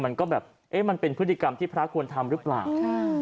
มันก็แบบเอ๊ะมันเป็นพฤติกรรมที่พระควรทำหรือเปล่าใช่